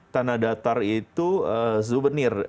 tanah datar itu souvenir